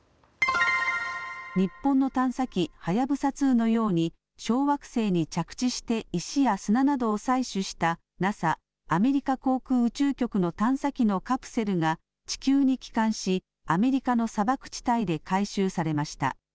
日本の探査機、はやぶさ２のように小惑星に着地して石や砂などを採取したＮＡＳＡ・アメリカ航空宇宙局の探査機のカプセルが地球に帰還しアメリカの砂漠地帯で回収されました。